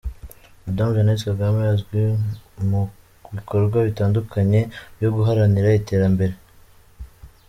Madamu Jeannette Kagame azwi mu bikorwa bitandukanye byo guharanira iterambere.